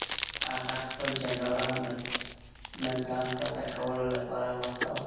هغه خپل جنرالان ملتان فتح کولو لپاره واستول.